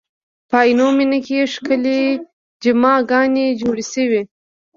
په عینومېنه کې ښکلې جامع ګانې جوړې شوې.